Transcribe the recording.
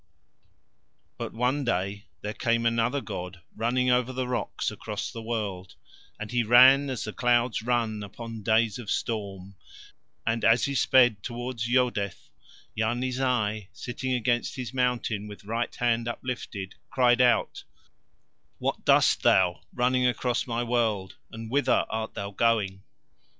But one day there came another god running over the rocks across the world, and he ran as the clouds run upon days of storm, and as he sped towards Yodeth, Yarni Zai, sitting against his mountain with right hand uplifted, cried out: "What dost thou, running across my world, and whither art thou going?"